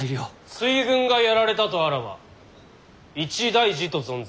水軍がやられたとあらば一大事と存ずるが。